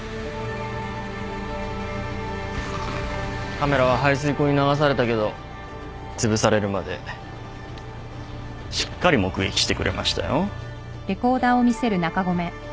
カメラは排水口に流されたけどつぶされるまでしっかり目撃してくれましたよ。